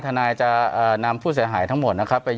ทนายจะนำผู้เสียหายทั้งหมด